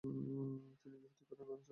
তিনি গৃহত্যাগ করে নানা স্থান ভ্রমণ করেন।